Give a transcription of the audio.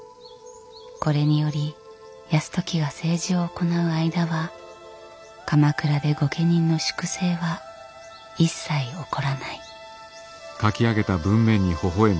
これにより泰時が政治を行う間は鎌倉で御家人の粛清は一切起こらない。